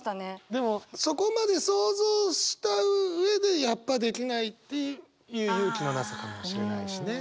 でもそこまで想像した上でやっぱできないっていう勇気のなさかもしれないしね。